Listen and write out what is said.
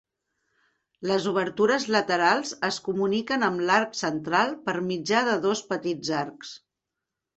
Les obertures laterals es comuniquen amb l'arc central per mitjà de dos petits arcs.